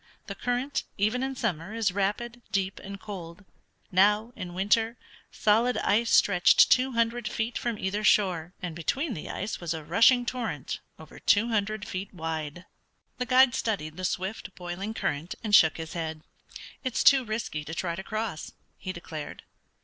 The current, even in summer, is rapid, deep, and cold. Now, in winter, solid ice stretched two hundred feet from either shore, and between the ice was a rushing torrent over two hundred feet wide. The guide studied the swift, boiling current, and shook his head. "It's too risky to try to cross," he declared.